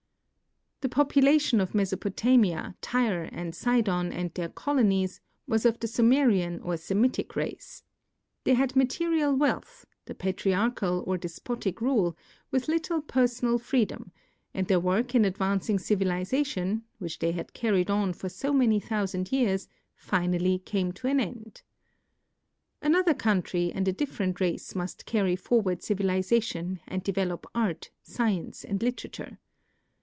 The population of Mesopotamia, Tyre, and .Sidon and their colonies was of the Sumarian or Semitic race. They liad mate rial wealth, the patriarchal or despotic rule, with little personal freedom, and their work in advancing civilization, which they had carried on for so many thousand years, finally came to an end. Another country and a different race must carry forward civilization and develop art, science, and literature.